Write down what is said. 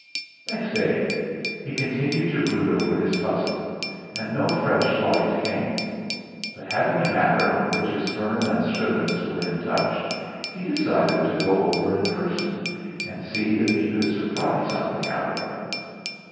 Next day he continued to brood over his puzzle, and no fresh light came; but having a matter on which his firm and Scrivens' were in touch, he decided to go over in person, and see if he could surprise something out of them.